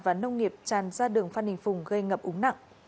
và nông nghiệp tràn ra đường phan đình phùng gây ngập úng nặng